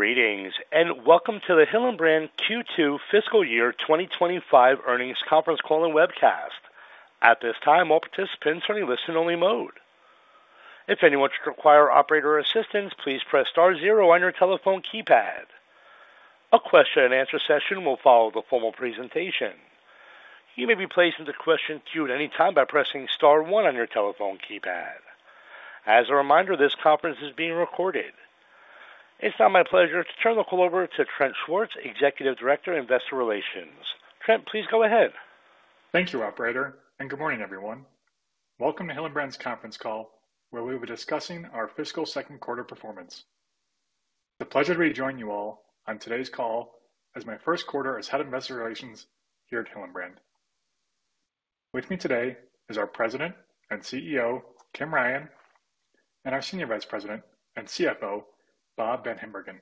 Greetings, and welcome to the Hillenbrand Q2 Fiscal Year 2025 Earnings Conference Call and Webcast. At this time, all participants are in listen-only mode. If anyone should require operator assistance, please press star zero on your telephone keypad. A Q&A session will follow the formal presentation. You may be placed into question queue at any time by pressing star one on your telephone keypad. As a reminder, this conference is being recorded. It's now my pleasure to turn the call over to Trent Schwartz, Executive Director, Investor Relations. Trent, please go ahead. Thank you, Operator, and good morning, everyone. Welcome to Hillenbrand's conference call, where we will be discussing our fiscal second quarter performance. It's a pleasure to rejoin you all on today's call as my first quarter as Head of Investor Relations here at Hillenbrand. With me today is our President and CEO, Kim Ryan, and our Senior Vice President and CFO, Bob VanHimbergen.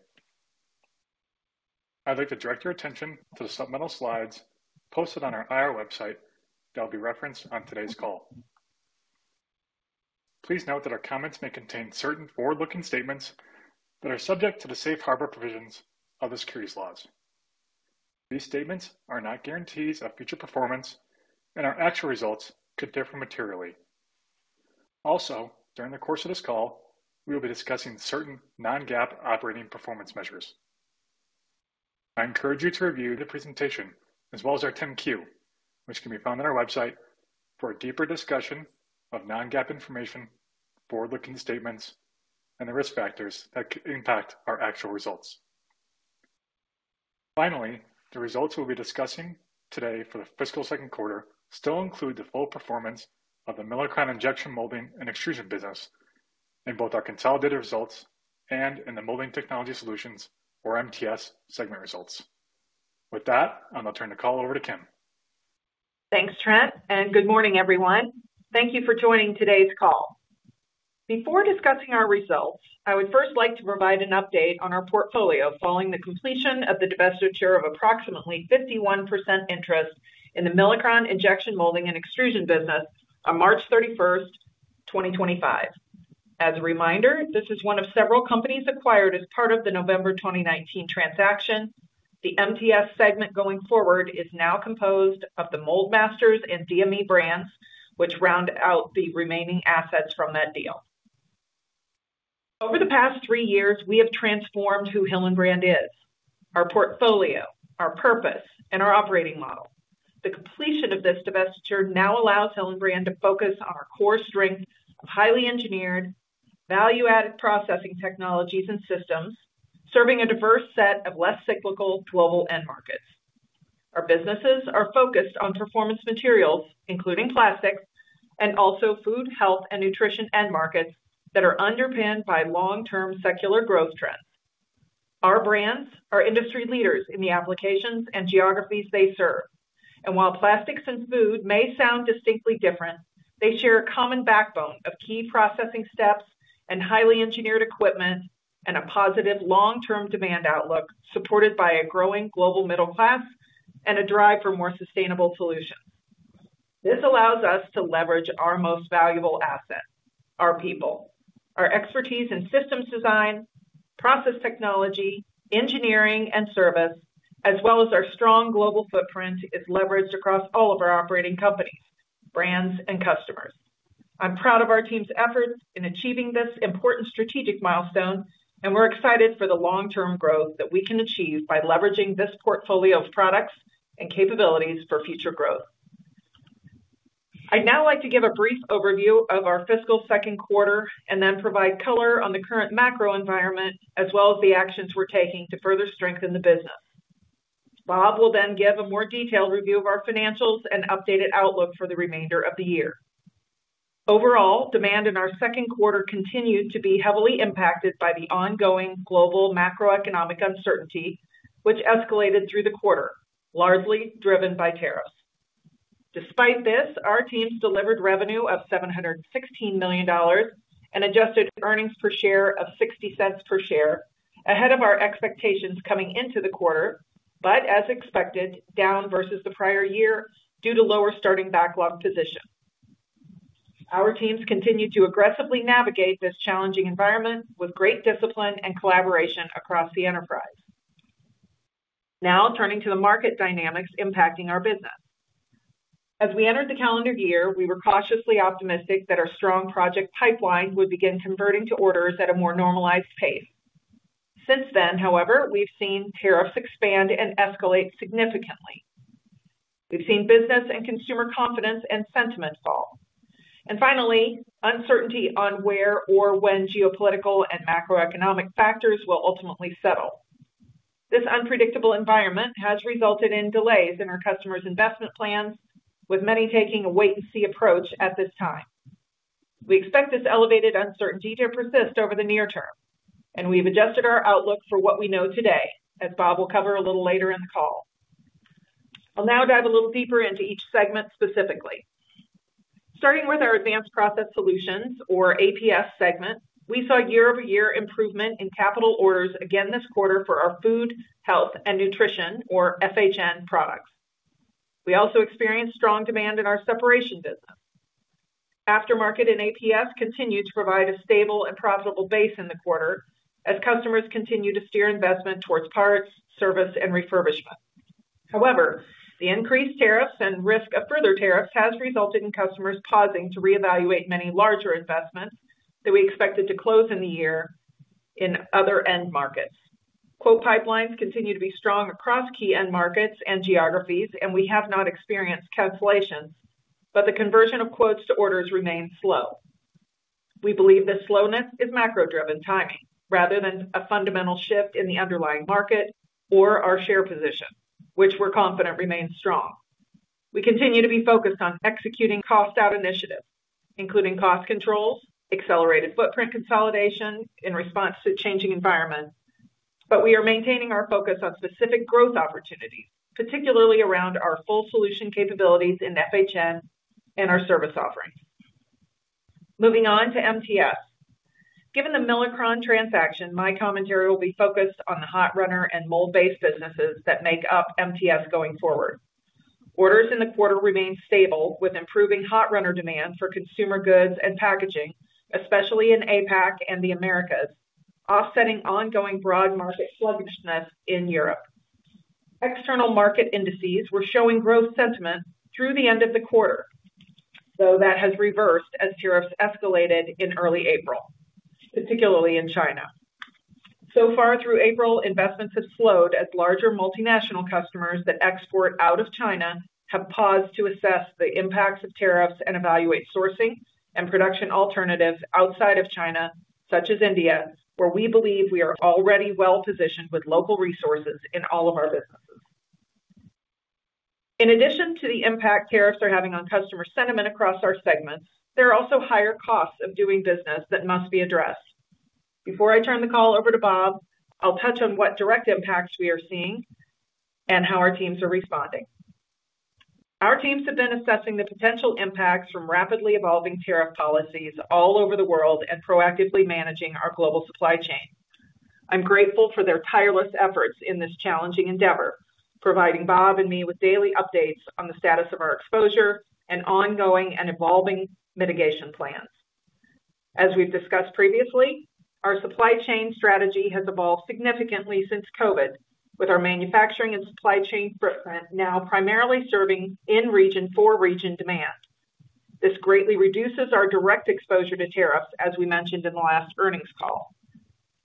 I'd like to direct your attention to the supplemental slides posted on our IR website that will be referenced on today's call. Please note that our comments may contain certain forward-looking statements that are subject to the safe harbor provisions of the securities laws. These statements are not guarantees of future performance, and our actual results could differ materially. Also, during the course of this call, we will be discussing certain non-GAAP operating performance measures. I encourage you to review the presentation as well as our 10-Q, which can be found on our website for a deeper discussion of non-GAAP information, forward-looking statements, and the risk factors that could impact our actual results. Finally, the results we'll be discussing today for the fiscal second quarter still include the full performance of the Milacron injection molding and extrusion business in both our consolidated results and in the Molding Technology Solutions, or MTS, segment results. With that, I'm going to turn the call over to Kim. Thanks, Trent, and good morning, everyone. Thank you for joining today's call. Before discussing our results, I would first like to provide an update on our portfolio following the completion of the divestiture of approximately 51% interest in the Milacron injection molding and extrusion business on March 31, 2025. As a reminder, this is one of several companies acquired as part of the November 2019 transaction. The MTS segment going forward is now composed of the Mold-Masters and DME brands, which round out the remaining assets from that deal. Over the past three years, we have transformed who Hillenbrand is: our portfolio, our purpose, and our operating model. The completion of this divestiture now allows Hillenbrand to focus on our core strength of highly engineered, value-added processing technologies and systems, serving a diverse set of less cyclical global end markets. Our businesses are focused on performance materials, including plastics, and also food, health, and nutrition end markets that are underpinned by long-term secular growth trends. Our brands are industry leaders in the applications and geographies they serve. While plastics and food may sound distinctly different, they share a common backbone of key processing steps and highly engineered equipment and a positive long-term demand outlook supported by a growing global middle class and a drive for more sustainable solutions. This allows us to leverage our most valuable asset: our people. Our expertise in systems design, process technology, engineering, and service, as well as our strong global footprint, is leveraged across all of our operating companies, brands, and customers. I'm proud of our team's efforts in achieving this important strategic milestone, and we're excited for the long-term growth that we can achieve by leveraging this portfolio of products and capabilities for future growth. I'd now like to give a brief overview of our fiscal second quarter and then provide color on the current macro environment as well as the actions we're taking to further strengthen the business. Bob will then give a more detailed review of our financials and updated outlook for the remainder of the year. Overall, demand in our second quarter continued to be heavily impacted by the ongoing global macroeconomic uncertainty, which escalated through the quarter, largely driven by tariffs. Despite this, our teams delivered revenue of $716 million and adjusted earnings per share of $0.60 per share ahead of our expectations coming into the quarter, but as expected, down versus the prior year due to lower starting backlog position. Our teams continue to aggressively navigate this challenging environment with great discipline and collaboration across the enterprise. Now turning to the market dynamics impacting our business. As we entered the calendar year, we were cautiously optimistic that our strong project pipeline would begin converting to orders at a more normalized pace. Since then, however, we've seen tariffs expand and escalate significantly. We've seen business and consumer confidence and sentiment fall. Finally, uncertainty on where or when geopolitical and macroeconomic factors will ultimately settle. This unpredictable environment has resulted in delays in our customers' investment plans, with many taking a wait-and-see approach at this time. We expect this elevated uncertainty to persist over the near term, and we've adjusted our outlook for what we know today, as Bob will cover a little later in the call. I'll now dive a little deeper into each segment specifically. Starting with our Advanced Process Solutions, or APS segment, we saw year-over-year improvement in capital orders again this quarter for our food, health, and nutrition, or FHN, products. We also experienced strong demand in our separation business. Aftermarket and APS continue to provide a stable and profitable base in the quarter as customers continue to steer investment towards parts, service, and refurbishment. However, the increased tariffs and risk of further tariffs has resulted in customers pausing to reevaluate many larger investments that we expected to close in the year in other end markets. Quote pipelines continue to be strong across key end markets and geographies, and we have not experienced cancellations, but the conversion of quotes to orders remains slow. We believe this slowness is macro-driven timing rather than a fundamental shift in the underlying market or our share position, which we are confident remains strong. We continue to be focused on executing cost-out initiatives, including cost controls, accelerated footprint consolidation in response to changing environments, but we are maintaining our focus on specific growth opportunities, particularly around our full solution capabilities in FHN and our service offerings. Moving on to MTS. Given the Milacron transaction, my commentary will be focused on the hot runner and mold-based businesses that make up MTS going forward. Orders in the quarter remain stable with improving hot runner demand for consumer goods and packaging, especially in APAC and the Americas, offsetting ongoing broad market sluggishness in Europe. External market indices were showing growth sentiment through the end of the quarter, though that has reversed as tariffs escalated in early April, particularly in China. So far through April, investments have slowed as larger multinational customers that export out of China have paused to assess the impacts of tariffs and evaluate sourcing and production alternatives outside of China, such as India, where we believe we are already well-positioned with local resources in all of our businesses. In addition to the impact tariffs are having on customer sentiment across our segments, there are also higher costs of doing business that must be addressed. Before I turn the call over to Bob, I'll touch on what direct impacts we are seeing and how our teams are responding. Our teams have been assessing the potential impacts from rapidly evolving tariff policies all over the world and proactively managing our global supply chain. I'm grateful for their tireless efforts in this challenging endeavor, providing Bob and me with daily updates on the status of our exposure and ongoing and evolving mitigation plans. As we've discussed previously, our supply chain strategy has evolved significantly since COVID, with our manufacturing and supply chain footprint now primarily serving in region for region demand. This greatly reduces our direct exposure to tariffs, as we mentioned in the last earnings call.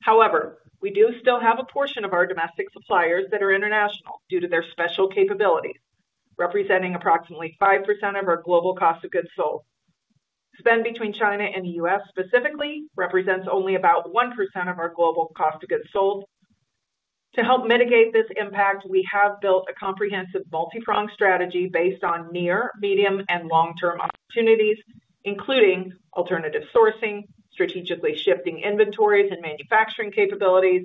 However, we do still have a portion of our domestic suppliers that are international due to their special capabilities, representing approximately 5% of our global cost of goods sold. Spend between China and the U.S. specifically represents only about 1% of our global cost of goods sold. To help mitigate this impact, we have built a comprehensive multi-pronged strategy based on near, medium, and long-term opportunities, including alternative sourcing, strategically shifting inventories and manufacturing capabilities,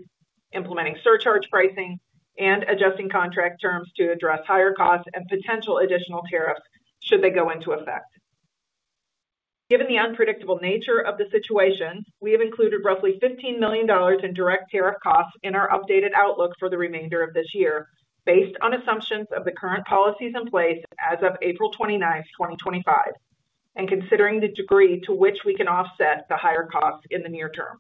implementing surcharge pricing, and adjusting contract terms to address higher costs and potential additional tariffs should they go into effect. Given the unpredictable nature of the situation, we have included roughly $15 million in direct tariff costs in our updated outlook for the remainder of this year, based on assumptions of the current policies in place as of April 29, 2025, and considering the degree to which we can offset the higher costs in the near term.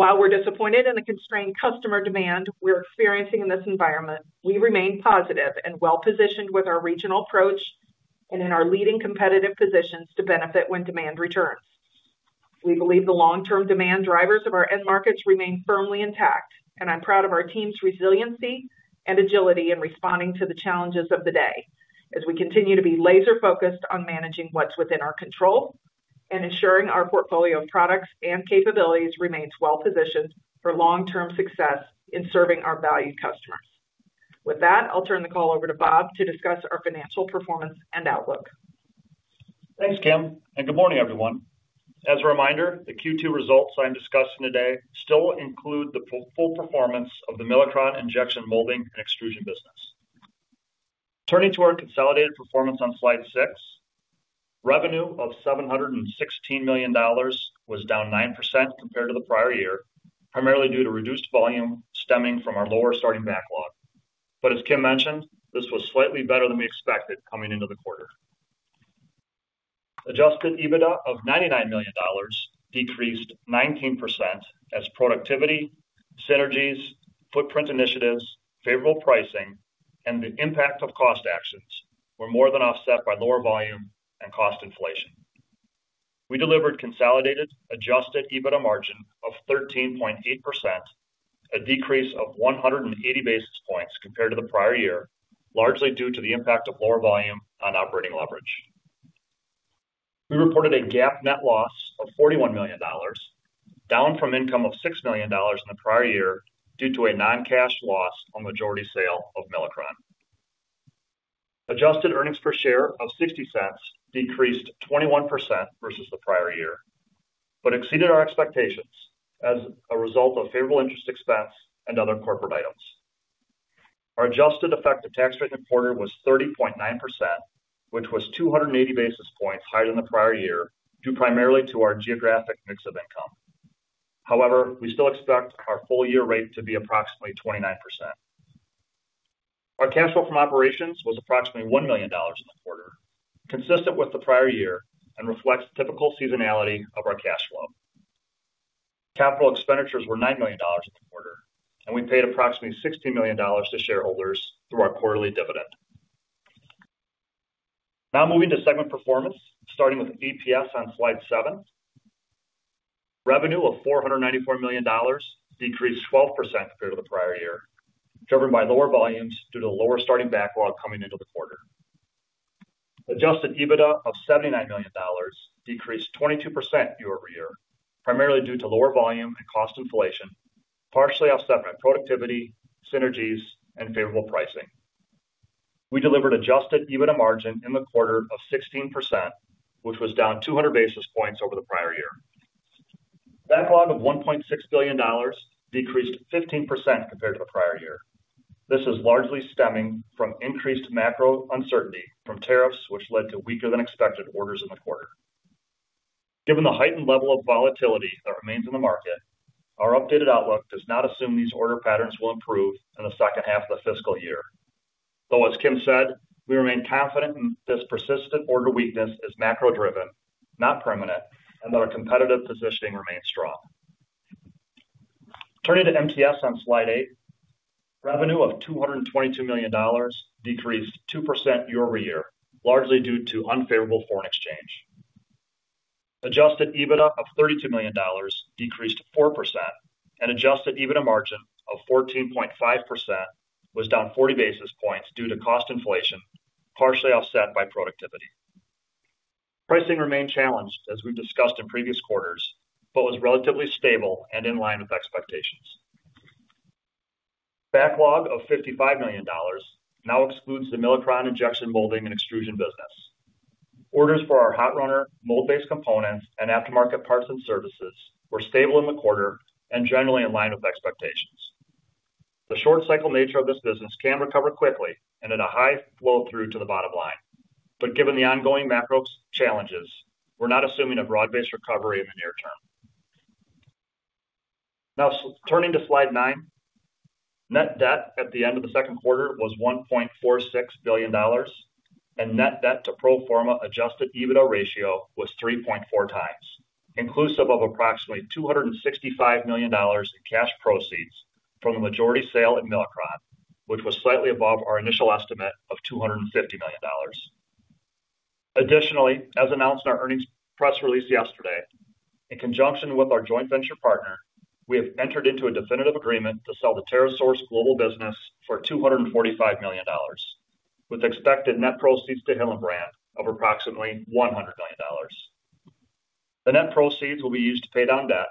While we're disappointed in the constrained customer demand we're experiencing in this environment, we remain positive and well-positioned with our regional approach and in our leading competitive positions to benefit when demand returns. We believe the long-term demand drivers of our end markets remain firmly intact, and I'm proud of our team's resiliency and agility in responding to the challenges of the day as we continue to be laser-focused on managing what's within our control and ensuring our portfolio of products and capabilities remains well-positioned for long-term success in serving our valued customers. With that, I'll turn the call over to Bob to discuss our financial performance and outlook. Thanks, Kim, and good morning, everyone. As a reminder, the Q2 results I'm discussing today still include the full performance of the Milacron injection molding and extrusion business. Turning to our consolidated performance on slide six, revenue of $716 million was down 9% compared to the prior year, primarily due to reduced volume stemming from our lower starting backlog. As Kim mentioned, this was slightly better than we expected coming into the quarter. Adjusted EBITDA of $99 million decreased 19% as productivity, synergies, footprint initiatives, favorable pricing, and the impact of cost actions were more than offset by lower volume and cost inflation. We delivered consolidated adjusted EBITDA margin of 13.8%, a decrease of 180 basis points compared to the prior year, largely due to the impact of lower volume on operating leverage. We reported a GAAP net loss of $41 million, down from income of $6 million in the prior year due to a non-cash loss on majority sale of Milacron. Adjusted earnings per share of $0.60 decreased 21% versus the prior year, but exceeded our expectations as a result of favorable interest expense and other corporate items. Our adjusted effective tax rate in the quarter was 30.9%, which was 280 basis points higher than the prior year due primarily to our geographic mix of income. However, we still expect our full year rate to be approximately 29%. Our cash flow from operations was approximately $1 million in the quarter, consistent with the prior year and reflects typical seasonality of our cash flow. Capital expenditures were $9 million in the quarter, and we paid approximately $16 million to shareholders through our quarterly dividend. Now moving to segment performance, starting with EPS on slide seven. Revenue of $494 million decreased 12% compared to the prior year, driven by lower volumes due to the lower starting backlog coming into the quarter. Adjusted EBITDA of $79 million decreased 22% year over year, primarily due to lower volume and cost inflation, partially offset by productivity, synergies, and favorable pricing. We delivered adjusted EBITDA margin in the quarter of 16%, which was down 200 basis points over the prior year. Backlog of $1.6 billion decreased 15% compared to the prior year. This is largely stemming from increased macro uncertainty from tariffs, which led to weaker-than-expected orders in the quarter. Given the heightened level of volatility that remains in the market, our updated outlook does not assume these order patterns will improve in the second half of the fiscal year. Though, as Kim said, we remain confident in this persistent order weakness as macro-driven, not permanent, and that our competitive positioning remains strong. Turning to MTS on slide eight, revenue of $222 million decreased 2% year-over-year, largely due to unfavorable foreign exchange. Adjusted EBITDA of $32 million decreased 4%, and adjusted EBITDA margin of 14.5% was down 40 basis points due to cost inflation, partially offset by productivity. Pricing remained challenged, as we've discussed in previous quarters, but was relatively stable and in line with expectations. Backlog of $55 million now excludes the Milacron injection molding and extrusion business. Orders for our hot runner, mold-based components, and aftermarket parts and services were stable in the quarter and generally in line with expectations. The short-cycle nature of this business can recover quickly and at a high flow-through to the bottom line, but given the ongoing macro challenges, we're not assuming a broad-based recovery in the near term. Now turning to slide nine, net debt at the end of the second quarter was $1.46 billion, and net debt to pro forma adjusted EBITDA ratio was 3.4 times, inclusive of approximately $265 million in cash proceeds from the majority sale at Milacron, which was slightly above our initial estimate of $250 million. Additionally, as announced in our earnings press release yesterday, in conjunction with our joint venture partner, we have entered into a definitive agreement to sell the TerraSource Global business for $245 million, with expected net proceeds to Hillenbrand of approximately $100 million. The net proceeds will be used to pay down debt,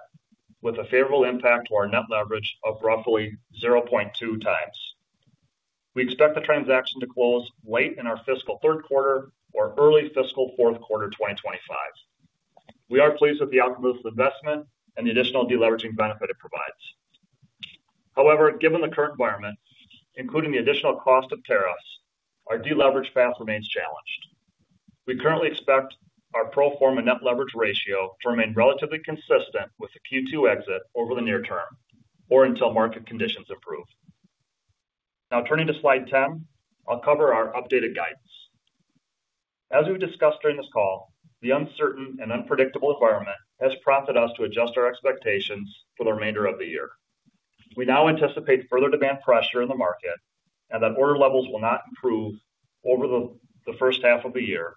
with a favorable impact to our net leverage of roughly 0.2 times. We expect the transaction to close late in our fiscal third quarter or early fiscal fourth quarter 2025. We are pleased with the outcome of this investment and the additional deleveraging benefit it provides. However, given the current environment, including the additional cost of tariffs, our deleverage path remains challenged. We currently expect our pro forma net leverage ratio to remain relatively consistent with the Q2 exit over the near term or until market conditions improve. Now turning to slide 10, I'll cover our updated guidance. As we've discussed during this call, the uncertain and unpredictable environment has prompted us to adjust our expectations for the remainder of the year. We now anticipate further demand pressure in the market and that order levels will not improve over the first half of the year,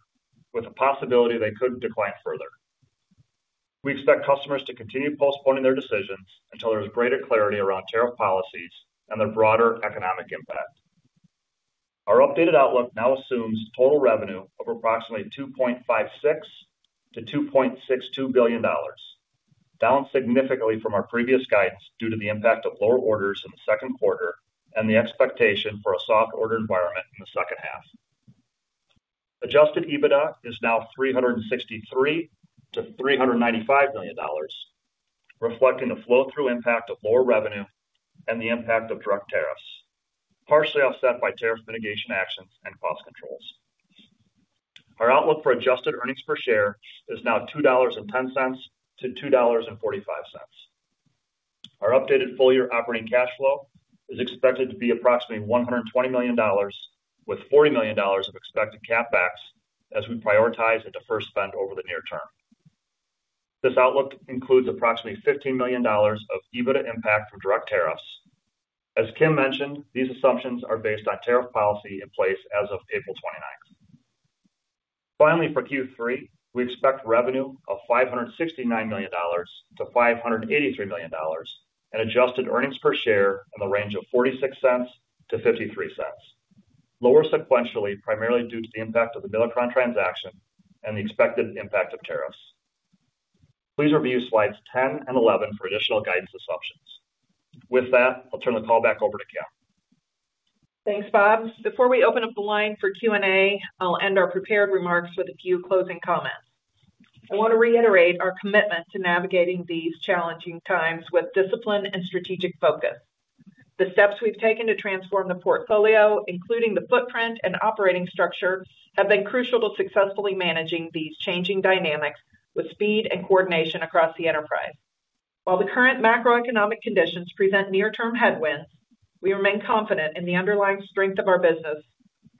with the possibility they could decline further. We expect customers to continue postponing their decisions until there is greater clarity around tariff policies and their broader economic impact. Our updated outlook now assumes total revenue of approximately $2.56-$2.62 billion, down significantly from our previous guidance due to the impact of lower orders in the second quarter and the expectation for a soft order environment in the second half. Adjusted EBITDA is now $363-$395 million, reflecting the flow-through impact of lower revenue and the impact of direct tariffs, partially offset by tariff mitigation actions and cost controls. Our outlook for adjusted earnings per share is now $2.10-$2.45. Our updated full year operating cash flow is expected to be approximately $120 million, with $40 million of expected CapEx as we prioritize and defer spend over the near term. This outlook includes approximately $15 million of EBITDA impact from direct tariffs. As Kim mentioned, these assumptions are based on tariff policy in place as of April 29th. Finally, for Q3, we expect revenue of $569-$583 million and adjusted earnings per share in the range of $0.46-$0.53, lower sequentially primarily due to the impact of the Milacron transaction and the expected impact of tariffs. Please review slides 10 and 11 for additional guidance assumptions. With that, I'll turn the call back over to Kim. Thanks, Bob. Before we open up the line for Q&A, I'll end our prepared remarks with a few closing comments. I want to reiterate our commitment to navigating these challenging times with discipline and strategic focus. The steps we've taken to transform the portfolio, including the footprint and operating structure, have been crucial to successfully managing these changing dynamics with speed and coordination across the enterprise. While the current macroeconomic conditions present near-term headwinds, we remain confident in the underlying strength of our business,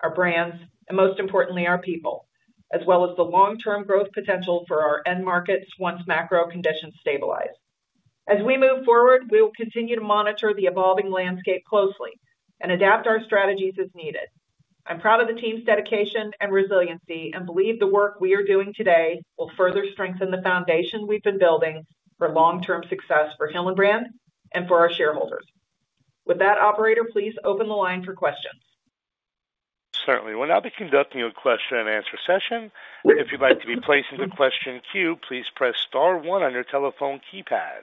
our brands, and most importantly, our people, as well as the long-term growth potential for our end markets once macro conditions stabilize. As we move forward, we will continue to monitor the evolving landscape closely and adapt our strategies as needed. I'm proud of the team's dedication and resiliency and believe the work we are doing today will further strengthen the foundation we've been building for long-term success for Hillenbrand and for our shareholders. With that, Operator, please open the line for questions. Certainly. We'll now be conducting a question-and-answer session. If you'd like to be placed into question queue, please press star one on your telephone keypad.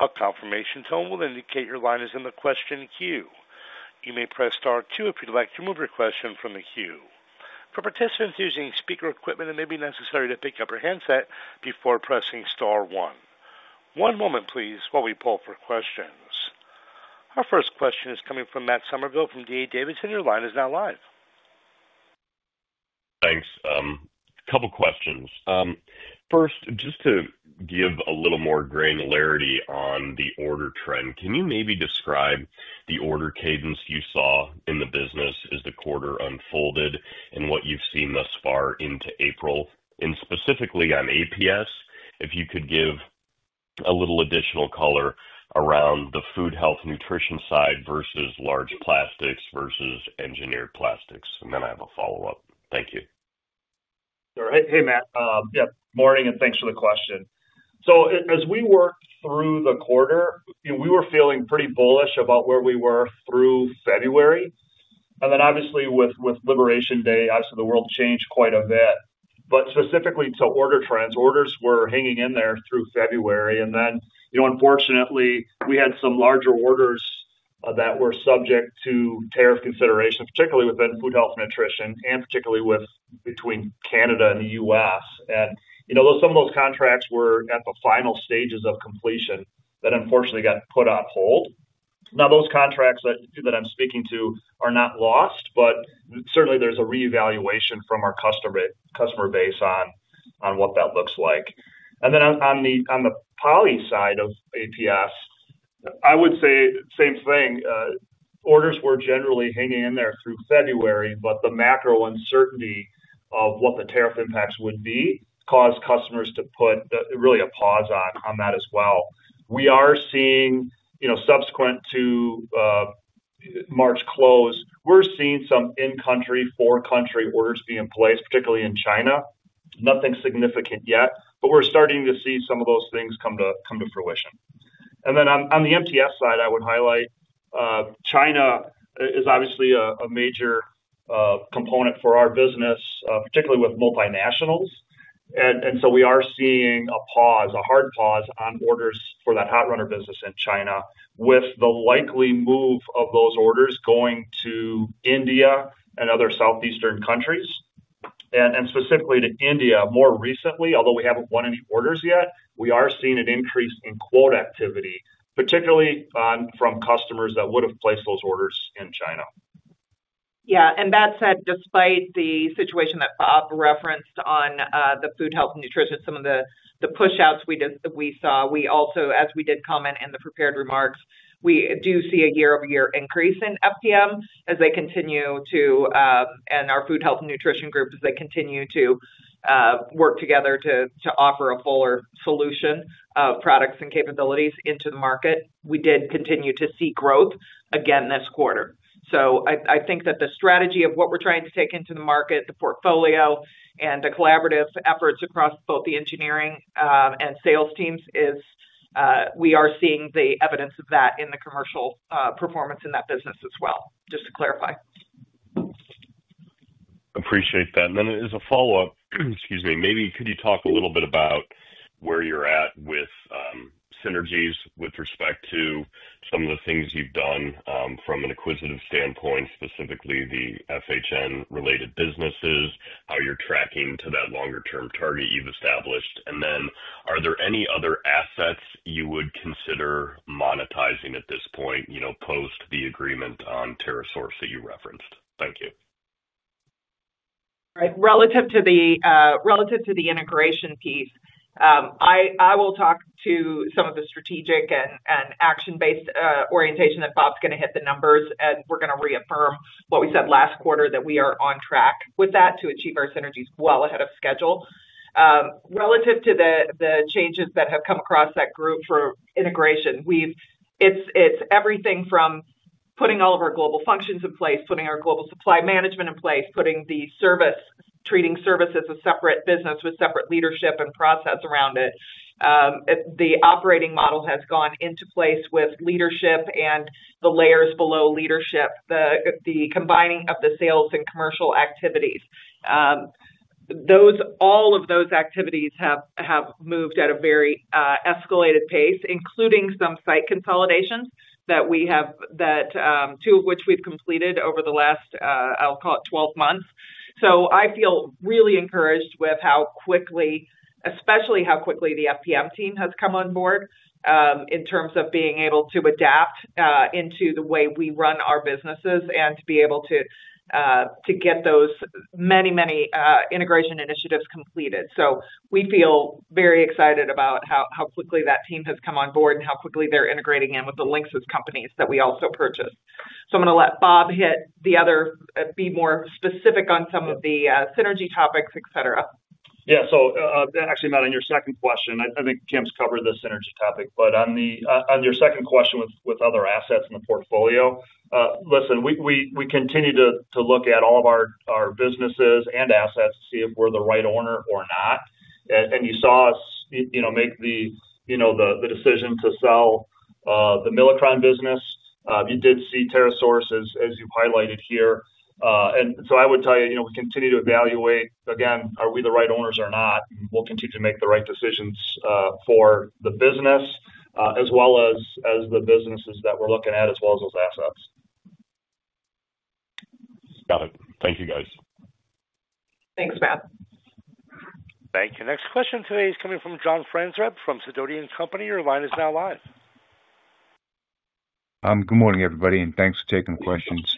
A confirmation tone will indicate your line is in the question queue. You may press star two if you'd like to remove your question from the queue. For participants using speaker equipment, it may be necessary to pick up your handset before pressing star one. One moment, please, while we pull up our questions. Our first question is coming from Matt Summerville from D.A. Davidson, and your line is now live. Thanks. A couple of questions. First, just to give a little more granularity on the order trend, can you maybe describe the order cadence you saw in the business as the quarter unfolded and what you've seen thus far into April? Specifically on APS, if you could give a little additional color around the food health nutrition side versus large plastics versus engineered plastics. I have a follow-up. Thank you. Sure. Hey, Matt. Yeah, morning, and thanks for the question. As we worked through the quarter, we were feeling pretty bullish about where we were through February. Obviously, with Liberation Day, the world changed quite a bit. Specifically to order trends, orders were hanging in there through February. Unfortunately, we had some larger orders that were subject to tariff considerations, particularly within food health nutrition and particularly between Canada and the U.S. Though some of those contracts were at the final stages of completion, that unfortunately got put on hold. Now, those contracts that I'm speaking to are not lost, but certainly there's a reevaluation from our customer base on what that looks like. On the poly side of APS, I would say same thing. Orders were generally hanging in there through February, but the macro uncertainty of what the tariff impacts would be caused customers to put really a pause on that as well. We are seeing, subsequent to March close, we're seeing some in-country, for-country orders being placed, particularly in China. Nothing significant yet, but we're starting to see some of those things come to fruition. On the MTS side, I would highlight China is obviously a major component for our business, particularly with multinationals. We are seeing a pause, a hard pause on orders for that hot runner business in China, with the likely move of those orders going to India and other southeastern countries. Specifically to India, more recently, although we haven't won any orders yet, we are seeing an increase in quote activity, particularly from customers that would have placed those orders in China. Yeah. That said, despite the situation that Bob referenced on the food health nutrition, some of the push-outs we saw, we also, as we did comment in the prepared remarks, we do see a year-over-year increase in FPMs as they continue to, and our food health nutrition group, as they continue to work together to offer a fuller solution of products and capabilities into the market. We did continue to see growth again this quarter. I think that the strategy of what we're trying to take into the market, the portfolio, and the collaborative efforts across both the engineering and sales teams is we are seeing the evidence of that in the commercial performance in that business as well, just to clarify. Appreciate that. As a follow-up, excuse me, maybe could you talk a little bit about where you're at with synergies with respect to some of the things you've done from an acquisitive standpoint, specifically the FHN-related businesses, how you're tracking to that longer-term target you've established? Are there any other assets you would consider monetizing at this point post the agreement on TerraSource that you referenced? Thank you. All right. Relative to the integration piece, I will talk to some of the strategic and action-based orientation that Bob's going to hit the numbers, and we're going to reaffirm what we said last quarter, that we are on track with that to achieve our synergies well ahead of schedule. Relative to the changes that have come across that group for integration, it's everything from putting all of our global functions in place, putting our global supply management in place, putting the service, treating service as a separate business with separate leadership and process around it. The operating model has gone into place with leadership and the layers below leadership, the combining of the sales and commercial activities. All of those activities have moved at a very escalated pace, including some site consolidations that we have, two of which we've completed over the last, I'll call it 12 months. I feel really encouraged with how quickly, especially how quickly the FPM team has come on board in terms of being able to adapt into the way we run our businesses and to be able to get those many, many integration initiatives completed. We feel very excited about how quickly that team has come on board and how quickly they're integrating in with the LINXIS companies that we also purchased. I'm going to let Bob hit the other, be more specific on some of the synergy topics, etc. Yeah. Actually, Matt, on your second question, I think Kim's covered the synergy topic, but on your second question with other assets in the portfolio, listen, we continue to look at all of our businesses and assets to see if we're the right owner or not. You saw us make the decision to sell the Milacron business. You did see TerraSource, as you've highlighted here. I would tell you, we continue to evaluate, again, are we the right owners or not, and we'll continue to make the right decisions for the business as well as the businesses that we're looking at, as well as those assets. Got it. Thank you, guys. Thanks, Matt. Thank you. Next question today is coming from John Franzreb from Sidoti & Company. Your line is now live. Good morning, everybody, and thanks for taking questions.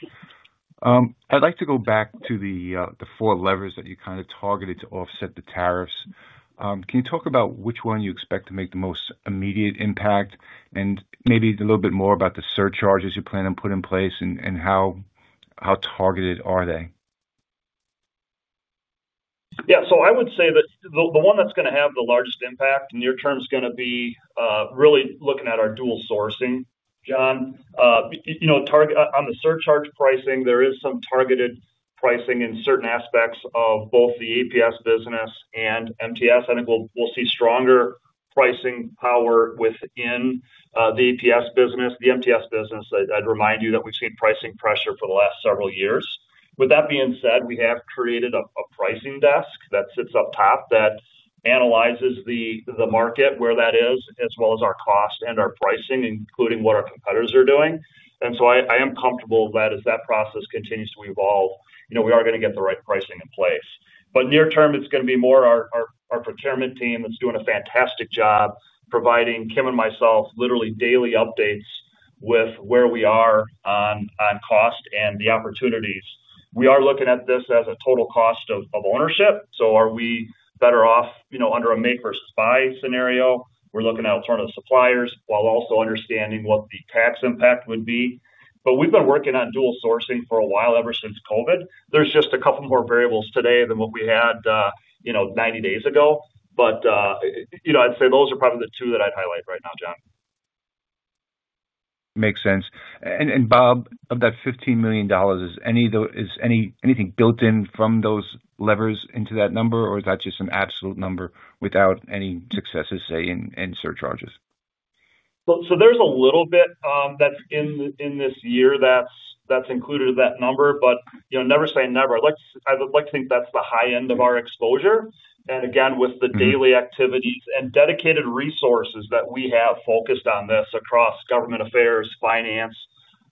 I'd like to go back to the four levers that you kind of targeted to offset the tariffs. Can you talk about which one you expect to make the most immediate impact and maybe a little bit more about the surcharges you plan to put in place and how targeted are they? Yeah. I would say that the one that's going to have the largest impact near term is going to be really looking at our dual sourcing. John, on the surcharge pricing, there is some targeted pricing in certain aspects of both the APS business and MTS. I think we'll see stronger pricing power within the APS business. The MTS business, I'd remind you that we've seen pricing pressure for the last several years. With that being said, we have created a pricing desk that sits up top that analyzes the market, where that is, as well as our cost and our pricing, including what our competitors are doing. I am comfortable that as that process continues to evolve, we are going to get the right pricing in place. Near term, it's going to be more our procurement team that's doing a fantastic job providing Kim and myself literally daily updates with where we are on cost and the opportunities. We are looking at this as a total cost of ownership. Are we better off under a make versus buy scenario? We're looking at alternative suppliers while also understanding what the tax impact would be. We've been working on dual sourcing for a while ever since COVID. There are just a couple more variables today than what we had 90 days ago. I'd say those are probably the two that I'd highlight right now, John. Makes sense. Bob, of that $15 million, is anything built in from those levers into that number, or is that just an absolute number without any successes, say, in surcharges? There's a little bit that's in this year that's included in that number, but never say never. I would like to think that's the high end of our exposure. Again, with the daily activities and dedicated resources that we have focused on this across government affairs, finance,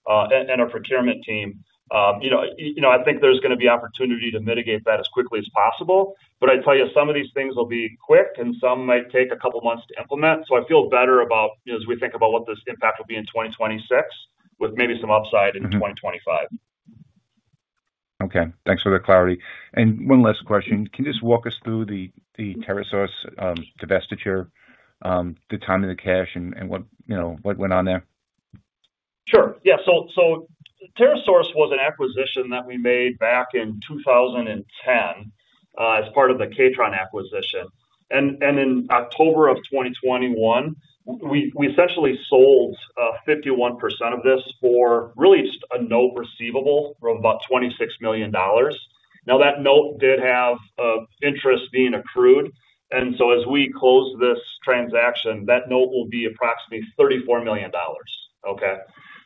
and our procurement team, I think there's going to be opportunity to mitigate that as quickly as possible. I'd tell you, some of these things will be quick, and some might take a couple of months to implement. I feel better about as we think about what this impact will be in 2026 with maybe some upside in 2025. Okay. Thanks for the clarity. One last question. Can you just walk us through the TerraSource divestiture, the timing of the cash, and what went on there? Sure. Yeah. TerraSource was an acquisition that we made back in 2010 as part of the Coperion acquisition. In October of 2021, we essentially sold 51% of this for really just a note receivable of about $26 million. That note did have interest being accrued. As we close this transaction, that note will be approximately $34 million.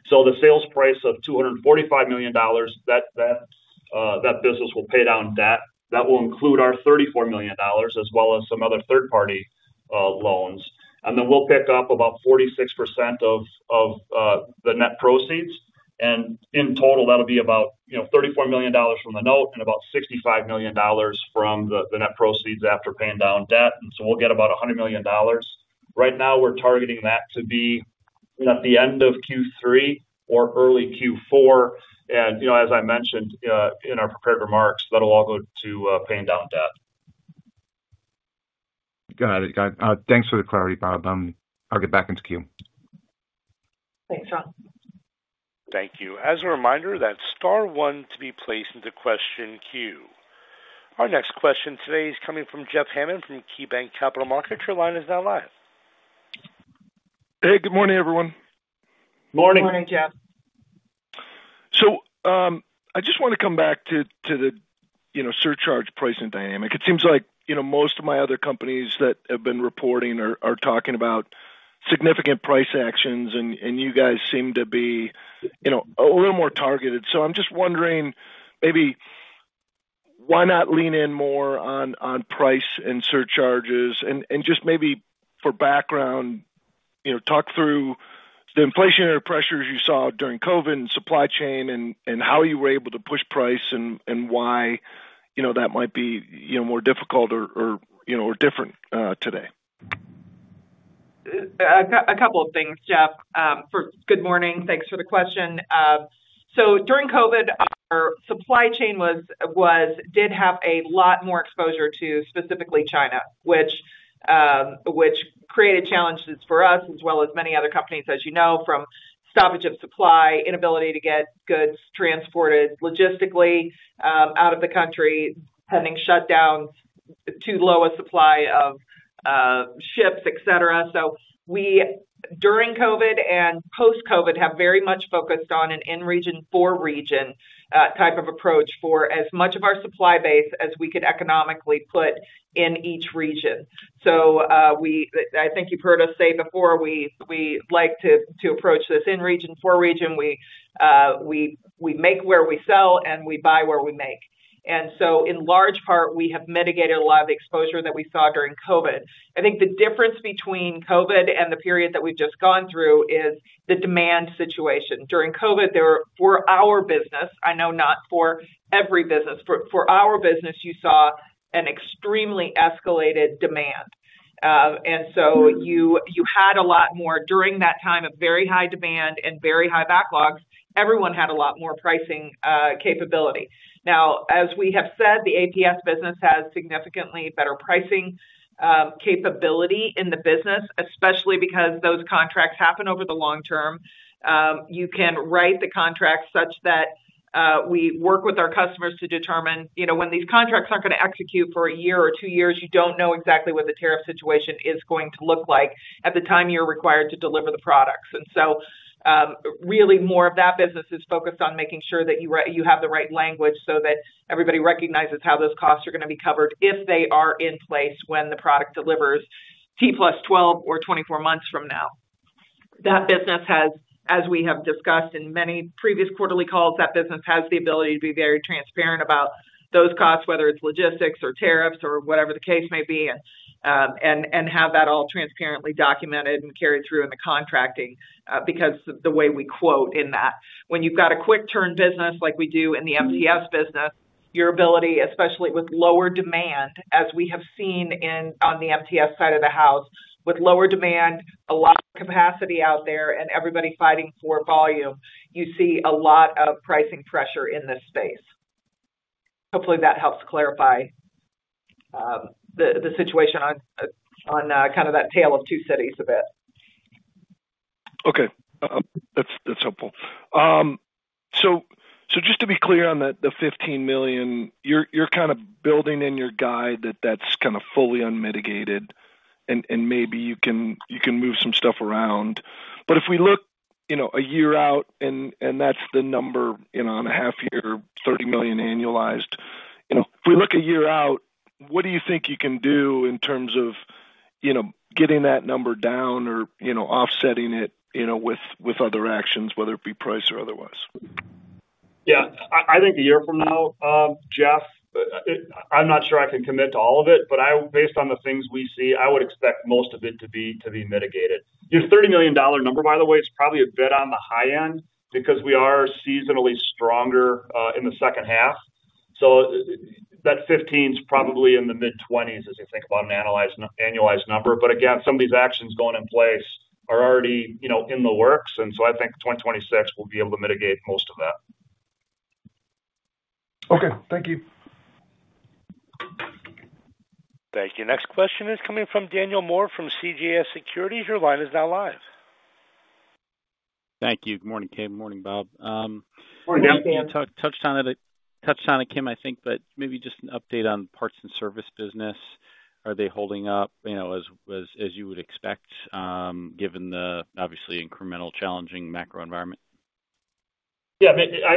The sales price of $245 million, that business will pay down debt. That will include our $34 million as well as some other third-party loans. We'll pick up about 46% of the net proceeds. In total, that'll be about $34 million from the note and about $65 million from the net proceeds after paying down debt. We'll get about $100 million. Right now, we're targeting that to be at the end of Q3 or early Q4. As I mentioned in our prepared remarks, that'll all go to paying down debt. Got it. Got it. Thanks for the clarity, Bob. I'll get back into queue. Thanks, John. Thank you. As a reminder, that's star one to be placed into question queue. Our next question today is coming from Jeff Hammond from KeyBanc Capital Markets. Your line is now live. Hey, good morning, everyone. Morning. Good morning, Jeff. I just want to come back to the surcharge pricing dynamic. It seems like most of my other companies that have been reporting are talking about significant price actions, and you guys seem to be a little more targeted. I am just wondering, maybe why not lean in more on price and surcharges? Just maybe for background, talk through the inflationary pressures you saw during COVID and supply chain and how you were able to push price and why that might be more difficult or different today. A couple of things, Jeff. Good morning. Thanks for the question. During COVID, our supply chain did have a lot more exposure to specifically China, which created challenges for us as well as many other companies, as you know, from stoppage of supply, inability to get goods transported logistically out of the country, pending shutdowns, too low a supply of ships, etc. During COVID and post-COVID, we have very much focused on an in-region, for-region type of approach for as much of our supply base as we could economically put in each region. I think you've heard us say before, we like to approach this in-region, for-region. We make where we sell, and we buy where we make. In large part, we have mitigated a lot of the exposure that we saw during COVID. I think the difference between COVID and the period that we've just gone through is the demand situation. During COVID, for our business, I know not for every business, but for our business, you saw an extremely escalated demand. You had a lot more during that time of very high demand and very high backlogs, everyone had a lot more pricing capability. Now, as we have said, the APS business has significantly better pricing capability in the business, especially because those contracts happen over the long term. You can write the contracts such that we work with our customers to determine when these contracts aren't going to execute for a year or two years, you don't know exactly what the tariff situation is going to look like at the time you're required to deliver the products. Really more of that business is focused on making sure that you have the right language so that everybody recognizes how those costs are going to be covered if they are in place when the product delivers T plus 12 or 24 months from now. That business has, as we have discussed in many previous quarterly calls, the ability to be very transparent about those costs, whether it is logistics or tariffs or whatever the case may be, and have that all transparently documented and carried through in the contracting because of the way we quote in that. When you've got a quick-turn business like we do in the MTS business, your ability, especially with lower demand, as we have seen on the MTS side of the house, with lower demand, a lot of capacity out there, and everybody fighting for volume, you see a lot of pricing pressure in this space. Hopefully, that helps clarify the situation on kind of that tale of two cities a bit. Okay. That's helpful. Just to be clear on the $15 million, you're kind of building in your guide that that's kind of fully unmitigated, and maybe you can move some stuff around. If we look a year out, and that's the number on a half-year, $30 million annualized, if we look a year out, what do you think you can do in terms of getting that number down or offsetting it with other actions, whether it be price or otherwise? Yeah. I think a year from now, Jeff, I'm not sure I can commit to all of it, but based on the things we see, I would expect most of it to be mitigated. Your $30 million number, by the way, is probably a bit on the high end because we are seasonally stronger in the second half. That 15 is probably in the mid-20s as you think about an annualized number. Again, some of these actions going in place are already in the works. I think 2026 will be able to mitigate most of that. Okay. Thank you. Thank you. Next question is coming from Daniel Moore from CJS Securities. Your line is now live. Thank you. Good morning, Kim. Good morning, Bob. Morning, Dan. Touched on it, Kim, I think, but maybe just an update on the parts and service business. Are they holding up as you would expect given the obviously incremental challenging macro environment? Yeah.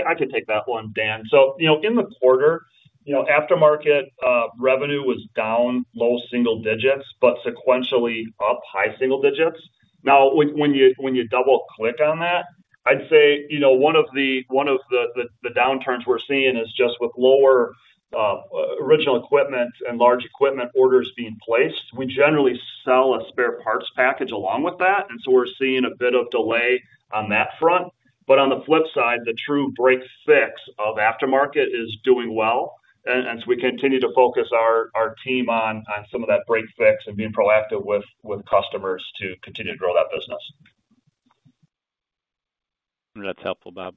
I can take that one, Dan. In the quarter, aftermarket revenue was down low single-digits, but sequentially up high single-digits. Now, when you double-click on that, I'd say one of the downturns we're seeing is just with lower original equipment and large equipment orders being placed. We generally sell a spare parts package along with that. We are seeing a bit of delay on that front. On the flip side, the true break fix of aftermarket is doing well. We continue to focus our team on some of that break fix and being proactive with customers to continue to grow that business. That's helpful, Bob.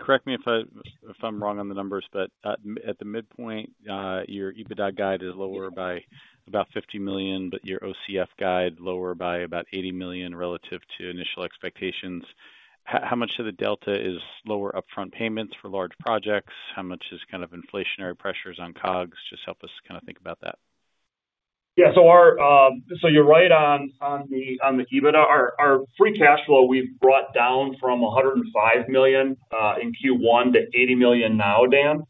Correct me if I'm wrong on the numbers, but at the midpoint, your EBITDA guide is lower by about $50 million, but your OCF guide lower by about $80 million relative to initial expectations. How much of the delta is lower upfront payments for large projects? How much is kind of inflationary pressures on COGS? Just help us kind of think about that. Yeah. You're right on the EBITDA. Our free cash flow, we've brought down from $105 million in Q1 to $80 million now, Dan.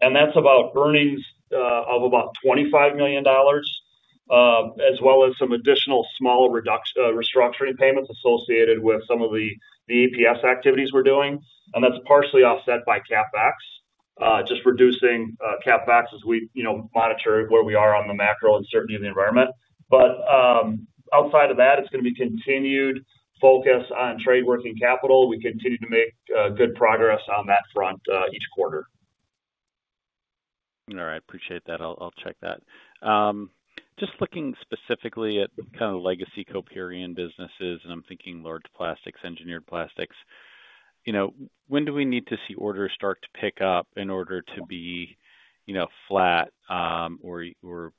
That's about earnings of about $25 million as well as some additional small restructuring payments associated with some of the APS activities we're doing. That's partially offset by CapEx, just reducing CapEx as we monitor where we are on the macro uncertainty of the environment. Outside of that, it's going to be continued focus on trade working capital. We continue to make good progress on that front each quarter. All right. Appreciate that. I'll check that. Just looking specifically at kind of legacy Coperion businesses, and I'm thinking large plastics, engineered plastics, when do we need to see orders start to pick up in order to be flat or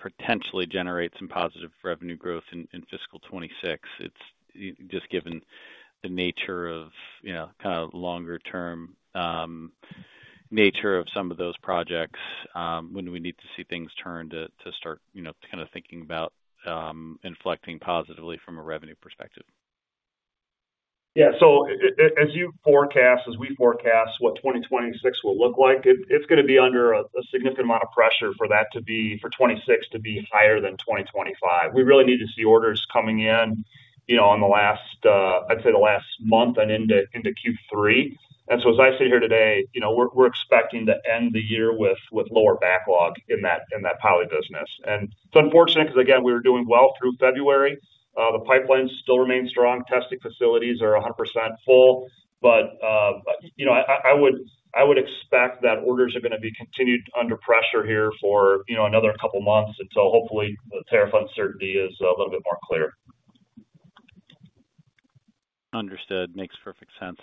potentially generate some positive revenue growth in fiscal 2026? Just given the nature of kind of longer-term nature of some of those projects, when do we need to see things turn to start kind of thinking about inflecting positively from a revenue perspective? Yeah. As we forecast what 2026 will look like, it's going to be under a significant amount of pressure for that to be, for 2026 to be higher than 2025. We really need to see orders coming in on the last, I'd say the last month and into Q3. As I sit here today, we're expecting to end the year with lower backlog in that power business. It's unfortunate because, again, we were doing well through February. The pipelines still remain strong. Testing facilities are 100% full. I would expect that orders are going to be continued under pressure here for another couple of months until hopefully the tariff uncertainty is a little bit more clear. Understood. Makes perfect sense.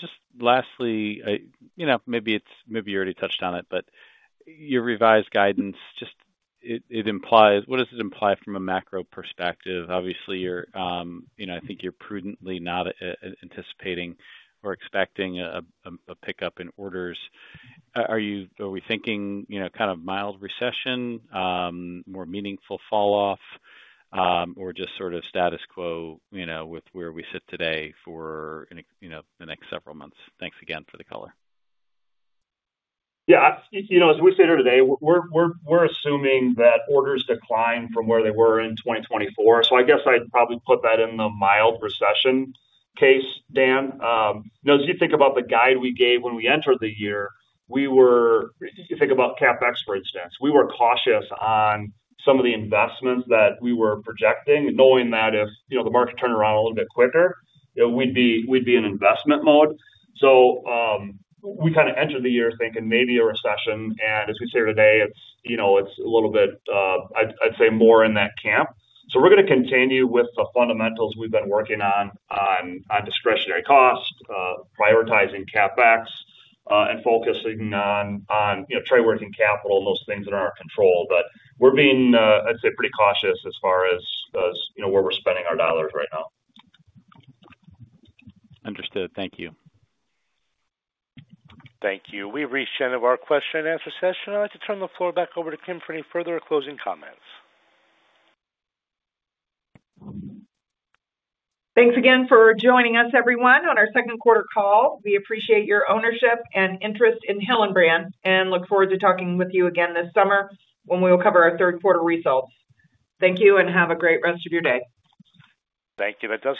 Just lastly, maybe you already touched on it, but your revised guidance, what does it imply from a macro perspective? Obviously, I think you're prudently not anticipating or expecting a pickup in orders. Are we thinking kind of mild recession, more meaningful falloff, or just sort of status quo with where we sit today for the next several months? Thanks again for the color. Yeah. As we sit here today, we're assuming that orders decline from where they were in 2024. I guess I'd probably put that in the mild recession case, Dan. As you think about the guide we gave when we entered the year, if you think about CapEx, for instance, we were cautious on some of the investments that we were projecting, knowing that if the market turned around a little bit quicker, we'd be in investment mode. We kind of entered the year thinking maybe a recession. As we sit here today, it's a little bit, I'd say, more in that camp. We're going to continue with the fundamentals we've been working on, on discretionary costs, prioritizing CapEx, and focusing on trade working capital and those things that are under control. We're being, I'd say, pretty cautious as far as where we're spending our dollars right now. Understood. Thank you. Thank you. We've reached the end of our Q&A session. I'd like to turn the floor back over to Kim for any further closing comments. Thanks again for joining us, everyone, on our second quarter call. We appreciate your ownership and interest in Hillenbrand and look forward to talking with you again this summer when we will cover our third quarter results. Thank you and have a great rest of your day. Thank you.